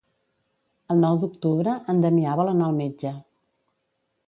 El nou d'octubre en Damià vol anar al metge.